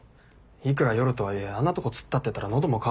いくら夜とはいえあんなとこ突っ立ってたら喉も渇く。